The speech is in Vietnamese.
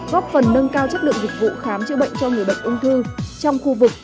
góp phần nâng cao chất lượng dịch vụ khám chữa bệnh cho người bệnh ung thư trong khu vực